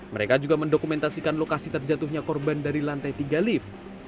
mereka juga mendokumentasikan lokasi terjatuhnya korban dari lantai tiga lift